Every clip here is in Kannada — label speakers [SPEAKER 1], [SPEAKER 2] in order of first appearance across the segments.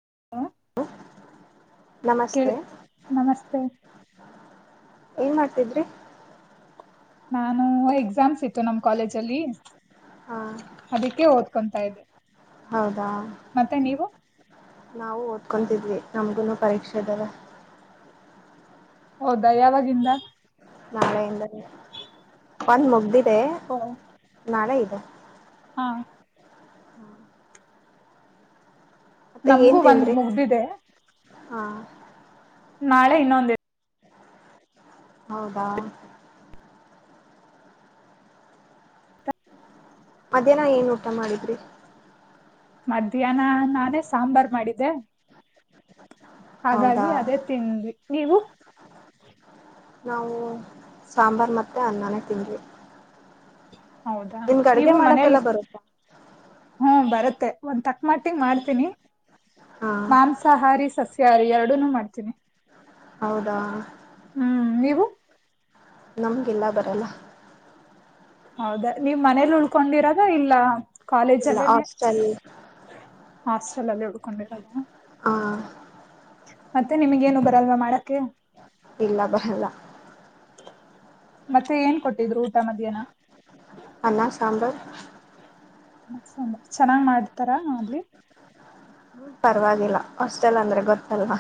[SPEAKER 1] [unintelligible]
[SPEAKER 2] ಕೆಳ
[SPEAKER 1] ನಮಸ್ತೆ
[SPEAKER 2] ನಮಸ್ತೆ.
[SPEAKER 1] ಏನ್ ಮಾಡ್ತಿದ್ರಿ.
[SPEAKER 2] ನಾನು ಎಸ್ಮಾಸ ಇತ್ತು. ನಮ್ಮ ಕಾಲೇಜ್ ಅಲ್ಲಿ.
[SPEAKER 1] ಹಾ
[SPEAKER 2] ತದೇ.
[SPEAKER 1] ಹೌದಾ. ನಾವು ಓದ್ಕೊಂಡಿದ್ವಿ ನಮಗೂನೂ ಪರೀಕ್ಷೆ ಇದಾವೆ.
[SPEAKER 2] ಹೌದಾ ಯಾವಾಗಿಂದ.
[SPEAKER 1] ನಾಳೆಯಿಂದಾನೆ ಒಂದ ಮುಗದಿತ್ತ. ಇದೆ.
[SPEAKER 2] ಓ
[SPEAKER 1] ನಾಳೆ ಇದೇ.
[SPEAKER 2] ಹ. ನಮ್ಗೂ ಒಂದ ಮುಗದಿದೆ.
[SPEAKER 1] ಹ.
[SPEAKER 2] ನಾಳೆ ಇನ್ನೊಂದ ಇದೆ.
[SPEAKER 1] ಹೌದಾ. ಮಧ್ಯಾನ ಏನ ಊಟ ಮಾಡಿದ್ರಿ.
[SPEAKER 2] ಮಧ್ಯಾನ ನಾನೇ ಸಾಂಬರ ಮಾಡಿದ್ದೆ. ಹಾಗಾಗಿ
[SPEAKER 1] ಹೌದಾ
[SPEAKER 2] ಅದೇ ತಿಂದ್ವಿ, ನೀವು?
[SPEAKER 1] ನಾವು ಸಾಂಬರ ಮತ್ತೆ ಅನ್ನನೆ ತಿಂದ್ವಿ.
[SPEAKER 2] ಹೌದಾ
[SPEAKER 1] ನಿಮ್ಗೆ ಅಡ್ಗೆ
[SPEAKER 2] ನೀವು ಮನೆಯಲ್ಲಿ
[SPEAKER 1] ಮಾಡಕ್ಕೆಲ್ಲ
[SPEAKER 2] ಇಸ್
[SPEAKER 1] ಬರುತ್ತಾ
[SPEAKER 2] ಹ ಬರ್. ಬರತ್ತೆ ಒಂದ ತಕ್ಕ ಮಟ್ಟಿಗೆ ಮಾಡ್ತೀನಿ.
[SPEAKER 1] ಹಾ
[SPEAKER 2] ಮಾಂಸಾಹಾರಿ, ಸಸ್ಯಾಹಾರಿ. [unintelligible] ಎರಡನ್ನು ಮಾಡ್ತೀನಿ.
[SPEAKER 1] ಹೌದಾ.
[SPEAKER 2] ಹ್ಮ್ ನೀವು?
[SPEAKER 1] ನಮ್ಗೆ ಎಲ್ಲಾ ಬರಲ್ಲ.
[SPEAKER 2] ಹೌದಾ ನೀವ ಮನೆಯಲ್ಲೆ ಉಳಿಕೊಂಡಿರೋದ ಇಲ್ಲಾ
[SPEAKER 1] ಇಲ್ಲ ಹಾಸ್ಟೆಲ್ ಅಲ್ಲಿ.
[SPEAKER 2] ಹಾಸ್ಟೆಲ್ ಅಲ್ಲೇ ಉಳಕೊಂಡಿರೋದ?
[SPEAKER 1] ಹ.
[SPEAKER 2] ಮತ್ತೆ ನಿಮಗ ಏನು ಬರಲ್ವಾ ಮಾಡಕ್ಕೆ?
[SPEAKER 1] ಇಲ್ಲಾ ಬರಲ್ಲ.
[SPEAKER 2] ಮತ್ತೆ ಏನ ಕೊಟ್ಟಿದ್ರು ಊಟ ಮಧ್ಯಾನ?
[SPEAKER 1] ಅನ್ನ, ಸಾಂಬರ್.
[SPEAKER 2] ಅನ್ನ, ಸಾಂಬರ್ ಚೆನ್ನಾಗ ಮಾಡ್ತಾರ ಅಲ್ಲಿ?
[SPEAKER 1] ಹಮ್ ಪರವಾಗಿಲ್ಲ ಹಾಸ್ಟೆಲ್ ಅಂದ್ರೆ ಗೊತ್ತಲ್ವಾ.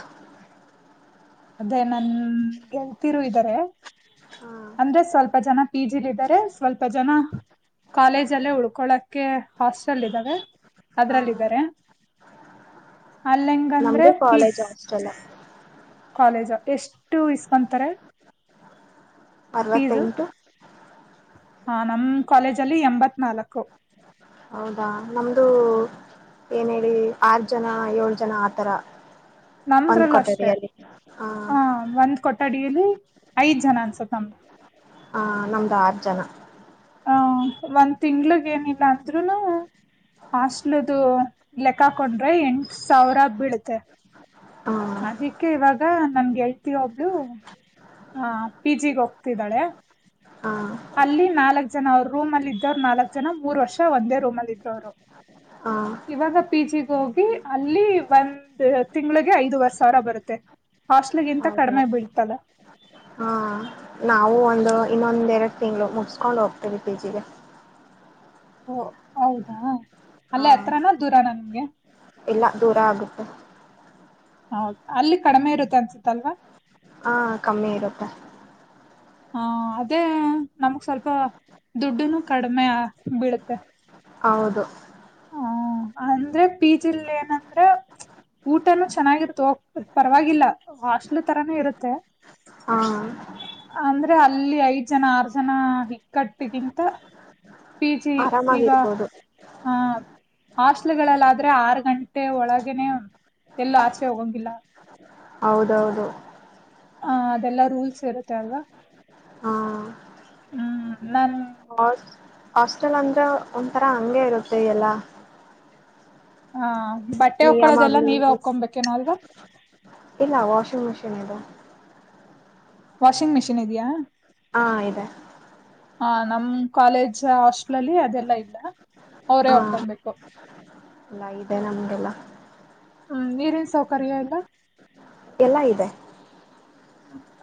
[SPEAKER 2] ಅದೇ ನಮ್ಮ ಗೆಳತಿರು ಇದಾರೆ,
[SPEAKER 1] ಹಾ
[SPEAKER 2] ಅಂದ್ರೆ ಸ್ವಲ್ಪ ಜನ ಪಿಜಿಲಿ ಇದಾರೆ, ಸ್ವಲ್ಪ ಜನ ಕಾಲೇಜ್ ಅಲ್ಲೇ ಉಳಕೊಳಕ್ಕೆ ಹಾಸ್ಟೆಲ್ ಇದಾವೆ
[SPEAKER 1] ಹಾ
[SPEAKER 2] ಅದರಲಿ ಇದಾರೆ. ಅಲ್ಲ ಹೆಂಗ ಅಂದ್ರೆ
[SPEAKER 1] ನಮ್ದು
[SPEAKER 2] ಫೀಸ್.
[SPEAKER 1] ಕಾಲೇಜ್ ಹಾಸ್ಟೆಲ್
[SPEAKER 2] ಕಾಲೇಜ್ ಎಷ್ಟು ಇಸಕೊಂದತ್ತಾರೆ?
[SPEAKER 1] ಅರವತ್ತೆಂಟು.
[SPEAKER 2] ಹಮ್ ನಮ್ಮ ಕಾಲೇಜ್ ಅಲ್ಲಿ ಎಂಬತ್ತ ನಾಲಕ್ಕು.
[SPEAKER 1] ಹೌದಾ ನಮ್ದು ಏನ ಹೇಳಿ ಆರ ಜನ ಏಳ ಜನ ಆ ತರ.
[SPEAKER 2] ನಮ್ಮದ್ರಲು ಅಷ್ಟೇ ಹ ಒಂದು ಕೊಠಡಿಯಲ್ಲಿ ಐದ ಜನ ಅನ್ಸುತ್ತೆ. ನಮ್ಮ.
[SPEAKER 1] ಹಾ ನಮ್ದ ಆರ ಜನ.
[SPEAKER 2] ಹ ಒಂದ ತಿಂಗಳಿಗೆ ಏನಿಲ್ಲ ಅಂದ್ರೂನು ಹಾಸ್ಟೆಲಿದು ಲೆಕ್ಕ ಹಾಕೊಂಡ್ರೆ ಎಂಟ ಸಾವಿರ ಬೀಳುತ್ತೆ.
[SPEAKER 1] ಹ
[SPEAKER 2] ಅದಕ್ಕೆ ಇವಾಗ ನಮ್ಗೆ. ಗೆಳತಿ ಒಬ್ಳು ಹ ಪಿಜಿಗ ಹೋಗ್ತಿದ್ದಾಳೆ.
[SPEAKER 1] ಹ
[SPEAKER 2] ಅಲ್ಲಿ ನಾಲಕ್ಕ. ನಾಲ್ಕ ಜನ ಅವರ ರೂಮ್ ಅಲ್ಲಿ ಇದ್ದವರು ನಾಲಕ್ಕ ಜನ ಮೂರ ವರ್ಷ ಒಂದೇ ರೂಮ್ ಅಲ್ಲಿ ಇದ್ರು ಅವರು,
[SPEAKER 1] ಹ
[SPEAKER 2] ಇವಾಗ ಪಿಜಿ ಗ ಹೋಗಿ ಅಲ್ಲಿ ಒಂದ ತಿಂಗಳಿಗೆ ಐದುವರೆ ಸಾವಿರ ಬರುತ್ತೆ, ಹಾಸ್ಟೆಲ್. ಹಾಸ್ಟೆಲ್ಗಿಂತ
[SPEAKER 1] ಹೌದಾ
[SPEAKER 2] ಕಡಿಮೆ ಬೀಳ್ತದ.
[SPEAKER 1] ಹಾ ನಾವು ಒಂದ ಇನ್ನೊಂದ ಎರಡ್ ತಿಂಗಳು ಮುಗಸಕೊಂಡ ಹೋಗ್ತಿವಿ ಪಿಜಿಗೆ.
[SPEAKER 2] ಓ ಹೌದಾ
[SPEAKER 1] ಹ
[SPEAKER 2] ಅಲ್ಲೇ ಹತ್ತರಾನಾ ದೂರನಾ ನಿಮ್ಗೆ?
[SPEAKER 1] ಇಲ್ಲ ದೂರ ಆಗತ್ತೆ.
[SPEAKER 2] ಹ ಅಲ್ಲಿ ಕಡಿಮೆ ಇರತ್ತೆ ಅನ್ಸುತ್ತೆ ಅಲ್ವಾ?
[SPEAKER 1] ಹ ಕಮ್ಮಿ ಇರತ್ತೆ.
[SPEAKER 2] ಹಮ್ ಅದೇ ನಮ್ಗ ಸ್ವಲ್ಪ ದುಡ್ಡುನು ಕಡಿಮೆ ಆ ಬೀಳತ್ತೆ.
[SPEAKER 1] ಹೌದು.
[SPEAKER 2] ಹಮ್ ಅಂದ್ರೆ ಪಿಜಿಲಿ ಏನ ಅಂದ್ರೆ ಊಟನು ಚೆನ್ನಾಗಿರುತ್ತೆ ಓಪ್ ಪರ್ವಾಗಿಲ್ಲ ಹಾಸ್ಟೆಲ್ ತರಾನೇ ಇರುತ್ತೆ.
[SPEAKER 1] ಹಾ.
[SPEAKER 2] ಅಂದ್ರೆ ಅಲ್ಲಿ ಐದ ಜನ ಆರ ಜನ ಇಕ್ಕಟ್ಟಿಗಿಂತ. ಪಿಜಿ ಈಗ
[SPEAKER 1] ಆರಾಮಾಗಿರ್ಬೋದು
[SPEAKER 2] ಹ. ಹಾಸ್ಟೆಲ್ಗಳಲ್ಲಿ ಆದ್ರೆ ಆರ ಗಂಟೆ ಒಳಗೇನೆ ಎಲ್ಲ ಆಚೆ ಹೋಗಂಗಿಲ್ಲ.
[SPEAKER 1] ಹೌದ ಹೌದು.
[SPEAKER 2] ಹಮ್ ಅದೆಲ್ಲ ರೂಲ್ಸ್ ಇರುತ್ತೆ ಅಲ್ವಾ,
[SPEAKER 1] ಹಾ
[SPEAKER 2] ಹಮ್ ನಾನ್.
[SPEAKER 1] [unintelligible] ಹಾಸ್ಟೆಲ್ ಅಂದ್ರ ಒಂತರ ಹಂಗೆ ಇರತ್ತೆ ಎಲ್ಲಾ.
[SPEAKER 2] ಹ. ಬಟ್ಟೆ ಒಪ್ಕೋಳೋದೇಲ್ಲ
[SPEAKER 1] ನಿಯಮಾಗ್ಲಿ
[SPEAKER 2] ನೀವೇ ಒಕ್ಕೋಬೇಕಲ್ವಾ?
[SPEAKER 1] ಇಲ್ಲಾ ವಾಷಿಂಗ್ ಮಷಿನ್ ಇದೆ.
[SPEAKER 2] ವಾಷಿಂಗ್ ಮಷೀನ್ ಇದಿಯಾ?
[SPEAKER 1] ಹ ಇದೆ.
[SPEAKER 2] ನಮ್ ಕಾಲೇಜ್ ಹಾಸ್ಟೆಲ್ ಅಲ್ಲಿ ಅದೆಲ್ಲ ಇಲ್ಲ ಅವರೇ
[SPEAKER 1] ಹಾ
[SPEAKER 2] ಹಾಕಬೇಕು.
[SPEAKER 1] ಎಲ್ಲ ಇದೆ ನಮಗೆಲ್ಲ
[SPEAKER 2] ನೀರಿನ ಸೌಕರ್ಯ ಇಲ್ಲ
[SPEAKER 1] ಎಲ್ಲ ಇದೆ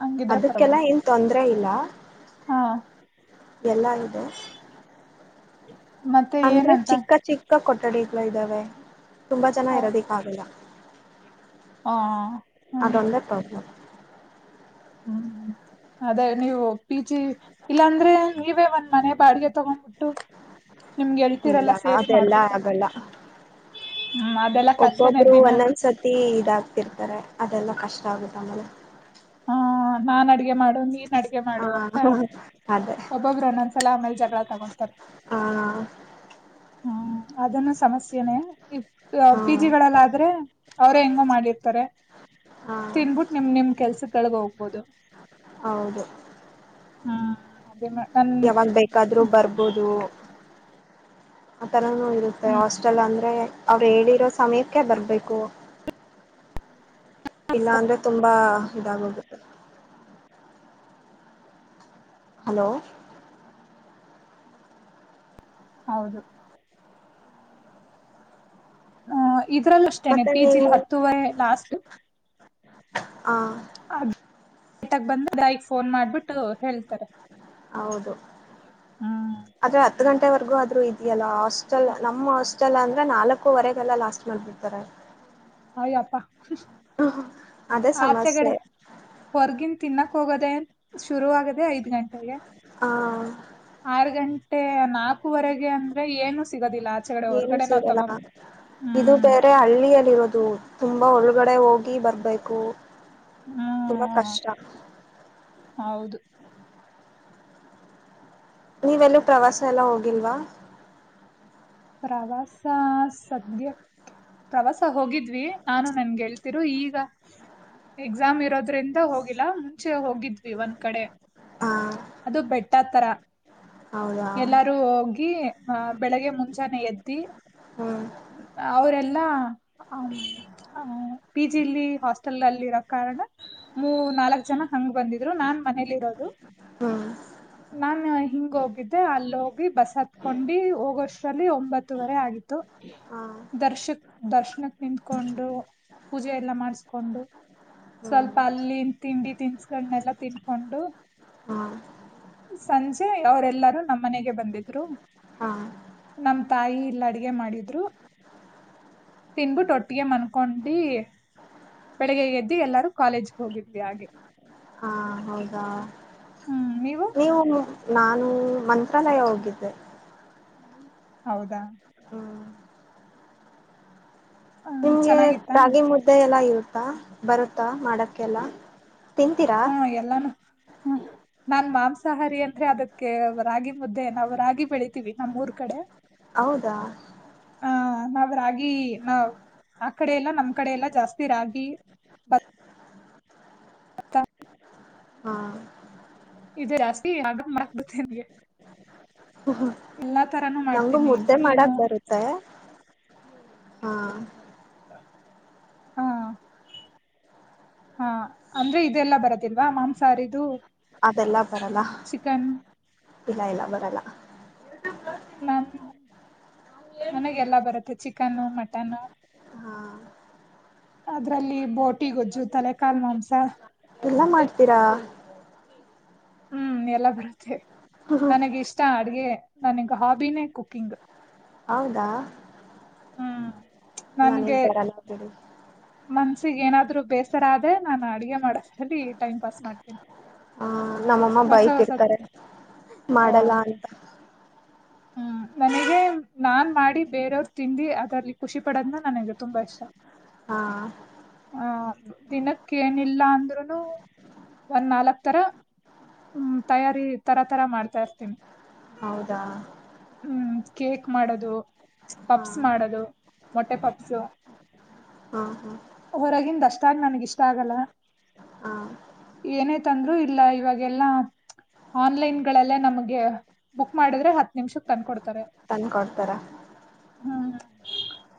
[SPEAKER 2] ಹಂಗಿದ್ರೆ
[SPEAKER 1] ಅದಕ್ಕೆಲ್ಲ ಏನ್ ತೊಂದರೆ [unintelligible]
[SPEAKER 2] ಆ
[SPEAKER 1] ಇದೆ
[SPEAKER 2] [unintelligible]
[SPEAKER 1] ಅಂದ್ರೆ
[SPEAKER 2] ಏನಂತ
[SPEAKER 1] ಚಿಕ್ಕ ಚಿಕ್ಕ ಇದ್ದಾವೆ [inaudible] ತುಂಬಾ ಜನ ಇರೋದಕ್ಕೆ ಆಗೋದಿಲ್ಲ
[SPEAKER 2] ಹೂ
[SPEAKER 1] ಅದೊಂದೇ ಪ್ರಾಬ್ಲಮ್
[SPEAKER 2] ಅದೇ ನೀವು ಪಿಜಿ ಇಲ್ಲಾಂದ್ರೆ ನೀವೇ ಒಂದು ಮನೆ ಬಾಡಿಗೆಗೆ ತಗೊಂಡು ಬಿಟ್ಟು
[SPEAKER 1] ಇಲ್ಲ ಅದೆಲ್ಲ ಆಗಲ್ಲ
[SPEAKER 2] ಹ್ಮ್ ಅದೆಲ್ಲ ಕಷ್ಟನೇ
[SPEAKER 1] ಒಬ್ಬೊಬ್ಬರು
[SPEAKER 2] ದಿನ
[SPEAKER 1] ಒಂದೊಂದು ಸತಿ ಇದಾಗ್ತಾ ಇರ್ತಾರೆ ಅದೆಲ್ಲಾ ಕಷ್ಟ ಆಗುತ್ತೆ ಆಮೇಲೆ
[SPEAKER 2] ನಾನ್ ಅಡಿಗೆ ಮಾಡು ಅಡುಗೆ ಮಾಡು ಅಂತ
[SPEAKER 1] ಹ ಅದೇ
[SPEAKER 2] ಒಬ್ಬೊಬ್ರು ಒಂದೊಂದ್ ಸಲ ಆಮೇಲೆ ಜಗಳ [unintelligible] ನಮಸ್ಕಾರ್
[SPEAKER 1] ಆ
[SPEAKER 2] ಅದನ್ನು ಸಮಸ್ಯೆನೇ
[SPEAKER 1] ಹಾ
[SPEAKER 2] ಪೀಜಿಗಳಲ್ಲಾದರೆ ಅವರೇ ಹೆಂಗೆ ಮಾಡಿ ಇರ್ತಾರೆ
[SPEAKER 1] ಹಾ
[SPEAKER 2] ತಿನ್ಬಿಟ್ ನಿಮ್ನಿಮ್ ಕೆಲ್ಸ ಕೆಳಗೆ ಹೋಗುವುದು
[SPEAKER 1] ಹೌದು
[SPEAKER 2] ಅದೇ ನನ್
[SPEAKER 1] ಯಾವಾಗ ಬೇಕಾದರೂ ಬರಬಹುದು ಆತರನು ಇರುತ್ತೆ
[SPEAKER 2] ಹ್ಮ್
[SPEAKER 1] ಹಾಸ್ಟೆಲ್ ಅಂದ್ರೆ ಅವರು ಹೇಳಿರುವ ಸಮಯಕ್ಕೆ ಬರಬೇಕು ಇಲ್ಲಾಂದ್ರೆ ತುಂಬಾ ಇದು ಆಗುತದೆ ಹಲೋ
[SPEAKER 2] ಹೌದು ಆ ಇದರಲ್ಲೂ ಅಷ್ಟೇನೇ
[SPEAKER 1] ಮತ್ತೆ
[SPEAKER 2] ಪಿಜಿಯಲ್ಲಿ ಹತ್ತುವರೆ ಲಾಸ್ಟು
[SPEAKER 1] ಆ
[SPEAKER 2] ಫೋನ್ ಮಾಡ್ಬಿಟ್ಟು ಹೇಳ್ತಾರೆ
[SPEAKER 1] ಹೌದು
[SPEAKER 2] ಹ್ಮ್
[SPEAKER 1] ಆದರೆ ಹತ್ತು ಗಂಟೆಯವರೆಗೂ ಆದರೆ ಇದೆ ನಮ್ಮ ನಾಲ್ಕೂವರೆ ಗೆಲ್ಲ ಲಾಸ್ಟ್ ಮಾಡಿ ಬಿಡುತ್ತಾರೆ
[SPEAKER 2] ಅಯ್ಯೋ ಅಪ್ಪ
[SPEAKER 1] ಅದೇ
[SPEAKER 2] ಆಚೆಕಡೆ
[SPEAKER 1] ಸಮಸ್ಯೆ
[SPEAKER 2] ಹೊರಗಿನ ತಿನ್ನಕ್ ಶುರುವಾಗೋದೇ
[SPEAKER 1] ಹಾಂ
[SPEAKER 2] ಆರುಗಂಟೆ ಮತ್ತೆ ನಾಲ್ಕುವರೆಗಂದ್ರೆ ಏನು ಸಿಗೋದಿ
[SPEAKER 1] ಏನು ಸಿಗಲ್ಲ ಇದು
[SPEAKER 2] ಹ್ಮ್
[SPEAKER 1] ಬೇರೆ ಹಳ್ಳಿಯಲ್ಲಿ ಇರುವುದು. ತುಂಬಾ ಒಳಗಡೆ ಹೋಗಿ ಬರಬೇಕು. ತುಂಬಾ
[SPEAKER 2] ಹ್ಮ್
[SPEAKER 1] ಕಷ್ಟ.
[SPEAKER 2] ಹೌದು
[SPEAKER 1] ನೀವೆಲ್ಲ ಪ್ರವಾಸಕ್ಕೆ ಹೋಗಿಲ್ವಾ
[SPEAKER 2] ಪ್ರವಾಸ ಸದ್ಯಕ್ಕೆ ಪ್ರವಾಸಕ್ಕೆ ಹೋಗಿದ್ವಿ, ನಾನು ನನ್ನ ಗೆಳತಿಯರು ಈಗ ಎಕ್ಸಾಮ್ ಇರುವುದರಿಂದ ಹೋಗಿಲ್ಲ ಮುಂಚೆ ಹೋಗಿದ್ವಿ
[SPEAKER 1] ಹಾಂ
[SPEAKER 2] ಅದು ಬೆಟ್ಟತ್ತರ
[SPEAKER 1] ಹೌದಾ
[SPEAKER 2] ಎಲ್ಲರೂ ಹೋಗಿ ಬೆಳಗ್ಗೆ ಈಗ್ತಾನೆ ಎತ್ತಿ
[SPEAKER 1] ಹ್ಞೂ
[SPEAKER 2] ಅವರೆಲ್ಲ ಪಿಜಿಯಲ್ಲಿ ಹಾಸ್ಟೆಲಲ್ಲಿ ಇರುವ ಕಾರಣ ನಾಲ್ಕು ಜನ ಹಂಗ್ ಬಂದಿರೋದು ನಾನು ಮನೇಲಿ ಇರೋದು
[SPEAKER 1] ಹ
[SPEAKER 2] ನಾನ್ ಹಿಂಗ್ ಹೋಗಿದ್ದೆ ಅಲ್ಲಿ ಹೋಗಿ ಬಸ್ ಹತ್ತಿಕೊಂಡು ಹೋಗುವ ಒಂಬತ್ತೂವರೆ ಆಗಿತ್ತು
[SPEAKER 1] ಹಾ
[SPEAKER 2] ದರ್ಶ ದರ್ಶನಕ್ಕೆ ನಿಂತ್ಕೊಂಡು ಪೂಜೆ ಎಲ್ಲ ಮಾಡಿಸ್ಕೊಂಡು
[SPEAKER 1] ಹ್ಮ್
[SPEAKER 2] ಸ್ವಲ್ಪ ಅಲ್ಲಿ ತಿಂಡಿ ತಿನಿಸಿದ್ದೆಲ್ಲನ್ನ ತಿನ್ಕೊಂಡು
[SPEAKER 1] ಹಾ
[SPEAKER 2] ಸಂಜೆ ಅವರೆಲ್ಲರೂ ನಮ್ಮ ಮನೆಗೆ ಬಂದಿದ್ದರು
[SPEAKER 1] ಹಾ
[SPEAKER 2] ನಮ್ ತಾಯಿ ಎಲ್ಲಾ ಅಡುಗೆ ಮಾಡಿದ್ದರು ತಿಂದು ಬಿಟ್ಟು ಒಟ್ಟಿಗೆ ಮಲ್ಕೊಂಡಿ ಬೆಳಗ್ಗೆ ಎದ್ದು ಎಲ್ಲರೂ ಕಾಲೇಜಿಗೆ ಹೋಗಿದ್ದಿವಿ ಹಾಗೆ
[SPEAKER 1] ಹೌದಾ
[SPEAKER 2] ಹ್ಮ್ ನೀವು
[SPEAKER 1] ನೀವುನು ನಾನು ಮಂತ್ರಾಲಯ ಹೋಗಿದ್ದೆ
[SPEAKER 2] ಹೌದಾ
[SPEAKER 1] ಹ್ಮ್
[SPEAKER 2] ಹ್ಮ್
[SPEAKER 1] ನಿಮಗೆ
[SPEAKER 2] ಚೆನ್ನಾಗಿತ್ತಾ
[SPEAKER 1] ರಾಗಿಮುದ್ದೆ ಎಲ್ಲ ಇರುತ್ ಬರುತ್ತಾ ಮಾಡಕ್ಕೆಲ್ಲಾ ತಿಂತಿರಾ
[SPEAKER 2] ನಾನು ಮಾಂಸಾಹಾರಿ ಅಂದ್ರೆ ಅದಕ್ಕೆ ರಾಗಿಮುದ್ದೆ ರಾಗಿ ಬೆಳೆದು ನಮ್ಮೂರ್ ಕಡೆ
[SPEAKER 1] ಹೌದಾ
[SPEAKER 2] ನಾವು ರಾಗಿ ಆ ಕಡೆಯಲ್ಲ ನಮ್ ಕಡೆಯಲ್ಲ ಜಾಸ್ತಿ ರಾಗಿ ಭತ್ತ
[SPEAKER 1] ಹಮ್
[SPEAKER 2] [unintelligible] [unintelligible]
[SPEAKER 1] ನನಗೂ
[SPEAKER 2] ಮಾಡ್ತೀನಿ
[SPEAKER 1] ಮುದ್ದೆ
[SPEAKER 2] ಮೀನು
[SPEAKER 1] ಮಾಡಕ್ಕೆ ಬರುತ್ತೆ ಆ
[SPEAKER 2] ಅಂದ್ರೆ ಇದೆಲ್ಲ ಬರದಿಲ್ವಾ ಮಾಂಸಾಹಾರಿದು
[SPEAKER 1] ಅದೆಲ್ಲ ಬರಲ್ಲ
[SPEAKER 2] ಚಿಕನ್
[SPEAKER 1] ಇಲ್ಲ ಇಲ್ಲ ಬರಲ್ಲ
[SPEAKER 2] ನನಗೆಲ್ಲಾ ಬರುತ್ತೆ ಚಿಕನ್ ಮಟನ್
[SPEAKER 1] ಹಾ
[SPEAKER 2] ಅದರಲ್ಲಿ ಬೋಟಿ ಗಜ್ಜು ತಲೆ ಕಾಲು ಮಾಂಸ
[SPEAKER 1] ಎಲ್ಲ ಮಾಡ್ತೀರಾ
[SPEAKER 2] ಎಲ್ಲನು ಬರುತ್ತೆ ನನಗೆ ಇಷ್ಟ ಅಡುಗೆ ನನಗೆ ಹಾಬಿನೆ ಕುಕಿಂಗ್
[SPEAKER 1] ಹೌದಾ ನನಗೆ
[SPEAKER 2] ನನ್ಗೆ
[SPEAKER 1] ಬರಲ್ಲ ಬಿಡು
[SPEAKER 2] ಮನಸ್ಸಿಗೆ ಏನಾದರು ಬೇಜಾರಾದರೆ ನಾನು ಅಡುಗೆ ಮಾಡೋದ್ರಲ್ಲಿ ಟೈಮ್ ಪಾಸ್ ಮಾಡುತ್
[SPEAKER 1] ನಮ್ಮಮ್ಮ ಬೈತಾ ಇರ್ತಾರೆ
[SPEAKER 2] ಓ
[SPEAKER 1] ಮಾಡಲ್ಲ ಅಂತ
[SPEAKER 2] ನನಗೆ ನಾನ್ ಮಾಡಿ ಬೇರೆಯವರಿಗೆ ತಿಂದಿ ಅದರಲ್ಲಿ ಖುಷಿ ಪಡೋದ್ನಾ ನನಗೆ ತುಂಬಾ ಇಷ್ಟ
[SPEAKER 1] ಹಾ
[SPEAKER 2] ದಿನಕ್ಕೆ ಏನಿಲ್ಲ ಅಂದ್ರುನು ಒಂದು ನಾಲ್ಕು ತರ ತಯಾರಿ ತರ ಮಾಡ್ತಾ ಇರುತ್ತೇನೆ
[SPEAKER 1] ಹೌದಾ
[SPEAKER 2] ಕೇಕ್ ಮಾಡೋದು
[SPEAKER 1] ಹಾ
[SPEAKER 2] ಪಾಪ್ಸ್ ಮಾಡೋದು ಮೊಟ್ಟೆ ಪಪ್ಸ್
[SPEAKER 1] ಹಾ ಹಾ
[SPEAKER 2] ಹೊರಗಿಂದ ಅಷ್ಟೇ ನಿಷ್ಠಾವಲ್ಲ
[SPEAKER 1] ಹಾ
[SPEAKER 2] ಏನೇ ತಂದ್ರೂ ಇಲ್ಲೇ ಇವಾಗೆಲ್ಲಾ ಆನ್ಲೈನ್ ಗಳಲ್ಲೆ ನಮಗೆ ಬುಕ್ ಮಾಡಿದ್ರೆ ನಿಮಿಷಕ್ಕೆ ತಂದುಕೊಡುತ್ತಾರೆ
[SPEAKER 1] ತಂದ್ಕೊಡ್ತಾರ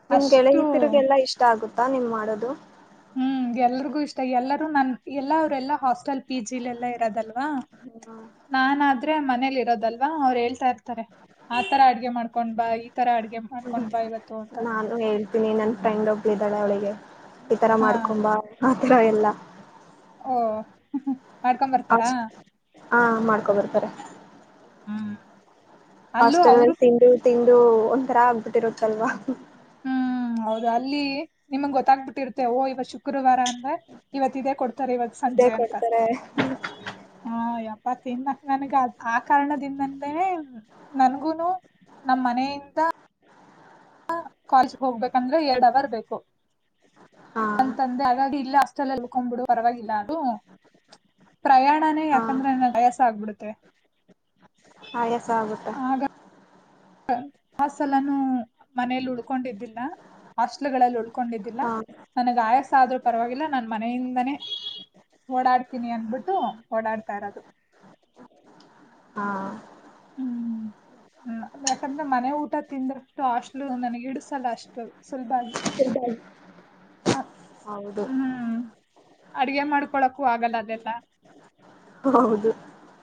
[SPEAKER 2] ಆ
[SPEAKER 1] ನಿಮ್ ಗೆಳತಿಯಗೆಲ್ಲ ಇಷ್ಟ ಆಗುತ್ತೆ ನೀ ಮಾಡೋದು
[SPEAKER 2] ಎಲ್ಲರಿಗೂ ಇಷ್ಟ ಎಲ್ಲರೂ ನನ್ನ ಅವರೆಲ್ಲ ಹಾಸ್ಟೆಲ್ ಪಿಜಿಯಲ್ಲಿ ಇರೋದಲ್ವಾ? ನಾನಾದರೆ ಮನೆಯಲ್ಲಿರೋದಲ್ವಾ ಅವರು ಹೇಳ್ತಾ ಇರುತ್ತಾರೆ ಆತರ ಅಡುಗೆ ಮಾಡಿಕೊಂಡು ಬಾ ಇತರ ಅಡುಗೆ ಬಾ ಇವತ್ತು ಅಂತ
[SPEAKER 1] ನಾನು ಹೇಳ್ತೀನಿ ನಮ್ಮ ಫ್ರೆಂಡ್ ಒಬ್ಬಳು ಇದ್ದಾಳೆ ಅವಳಿಗೆ ಇತರ
[SPEAKER 2] ಹಾ
[SPEAKER 1] ಮಾಡಿಕೊಂಡು ಬಾ ಎಲ್ಲಾ
[SPEAKER 2] ಓಹೋ ಮಾಡಿಕೊಂಡು ಬರ್ತಾರಾ
[SPEAKER 1] ಹಾ ಮಾಡಿಕೊಂಡು ಬರುತ್ತಾರೆ
[SPEAKER 2] ಹಮ್ [inaudible]
[SPEAKER 1] ಹಾಸ್ಟೆಲಲ್ಲಿ ತಿಂಡಿ ತಿಂದು ಒಂತರ ಆಗಿಬಿಟ್ಟಿರುತ್ತಲ್ವಾ
[SPEAKER 2] ಹೌದಾ ಅಲ್ಲಿ ನಿಮಗೆ ಗೊತ್ತಾಗಿ ಬಿಟ್ಟಿರುತ್ತೆ ಇವತ್ತು ಶುಕ್ರವಾರ ಇವತ್ತಿದೆ
[SPEAKER 1] ಇದೇ
[SPEAKER 2] ಸಂಜೆ ಅಂತ
[SPEAKER 1] ಕೊಡ್ತಾರೆ
[SPEAKER 2] ಆ ಕಾರಣದಿಂದನೇ ನನಗೂನು ನಮ್ಮ ಮನೆಯಿಂದ ಕಾಲೇಜ್ ಹೋಗಬೇಕೆಂದರೆ ಎರಡು ಅವರ್ ಬೇಕು
[SPEAKER 1] ಹಾ
[SPEAKER 2] ಅಂತಂದ ಇಲ್ಲೇ ಹಾಸ್ಟೆಲ್ಲೆ ಆಗಲಿಲ್ಲ ಅಂತ ಅಂದ್ರು ಪ್ರಯಾಣನೇ
[SPEAKER 1] ಹಾ
[SPEAKER 2] ಯಾಕಂದ್ರೆ ವಯಸ್ಸಾಗ್ಬಿಡುತ್ತೆ
[SPEAKER 1] ಆಯಾಸಗುತ
[SPEAKER 2] ಆ ಆಸಲನು ಮನೆಲ್ ಉಲ್ಕೊಂಡಿದ್ದಿಲ್ಲ ಆಸ್ಟ್ಲುಗಳಲಿ ಉಲ್ಕೊಂಡಿದಿಲ್ಲ
[SPEAKER 1] ಹಾ
[SPEAKER 2] ನನಗೆ ಆಯಾಸ ಅದ್ರು ಪರವಾಗಿಲ್ಲ ನನ್ ಮನೆಯಿಂದನೇ ಓಡಾಡ್ತೀನಿ ಅಂದ್ಬಿಟ್ಟು ಓಡಾಡಿತಿರಡು
[SPEAKER 1] ಹಾ
[SPEAKER 2] ಊ ಯಾಕಂದ್ರೆ ಮನೆ ಊಟ ತಿಂದಷ್ಟು ಹಸ್ಟ್ಲು ನಾನುಗಿಡ್ಡಸಲ್ಲ ಅಷ್ಟು ಸುಲಬಾಗಿ ಆ
[SPEAKER 1] ಹೌದು
[SPEAKER 2] ಅಡಿಗೆ ಮಾಡ್ಕೊಳಕ್ಕು ಆಗಲ್ಲ ಅದೆಲ್ಲ
[SPEAKER 1] ಹೌದು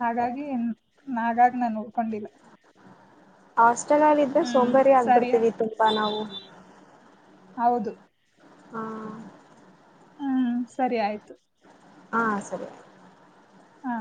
[SPEAKER 2] ಆಗಾಗಿ ಊ ನಗಾಗಿ ನಾನ್ ಉಲ್ಕೊಂಡಿಲ್ಲ
[SPEAKER 1] ಆಸ್ ಚನಾಗಿದ್ರೆ ಸೋಂಬೇರಿ
[SPEAKER 2] ಸರಿ
[SPEAKER 1] ಆಗ್ಬಿಡ್ತೀವಿ
[SPEAKER 2] ಆಯ್ತು
[SPEAKER 1] ತುಂಬಾ ನಾವು
[SPEAKER 2] ಹೌದು
[SPEAKER 1] ಹಾ
[SPEAKER 2] ಹೂ ಸರಿ ಆಯಿತು
[SPEAKER 1] ಹಾ ಸರಿ
[SPEAKER 2] ಹಾ